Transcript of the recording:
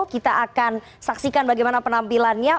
kita akan saksikan bagaimana penampilannya